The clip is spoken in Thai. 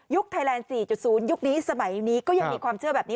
ไทยแลนด์๔๐ยุคนี้สมัยนี้ก็ยังมีความเชื่อแบบนี้